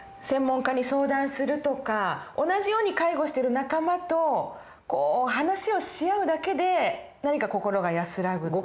専門家に相談するとか同じように介護してる仲間と話をし合うだけで何か心が安らぐ。